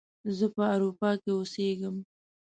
زه په اروپا کې اوسیږم